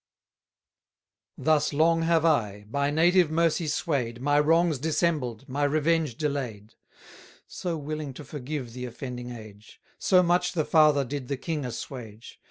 Thus long have I, by native mercy sway'd, My wrongs dissembled, my revenge delay'd: 940 So willing to forgive the offending age; So much the father did the king assuage.